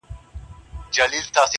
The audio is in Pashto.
o همېشه پر حیوانانو مهربان دی,